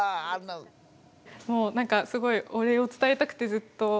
もう何かすごいお礼を伝えたくてずっと。